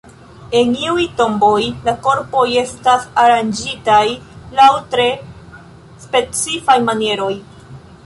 En iuj tomboj la korpoj estas aranĝitaj laŭ tre specifaj manieroj.